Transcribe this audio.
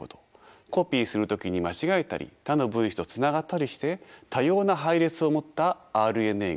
コピーする時に間違えたり他の分子とつながったりして多様な配列を持ったＲＮＡが作られます。